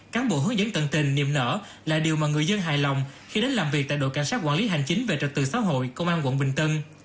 cán bộ hướng dẫn tận tình niềm nở là điều mà người dân hài lòng khi đến làm việc tại đội cảnh sát quản lý hành chính về trật tự xã hội công an quận bình tân